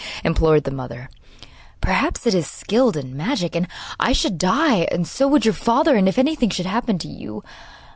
implored the mother. 'Perhaps it is skilled in magic. And I should die, and so would your father, if anything should happen to you.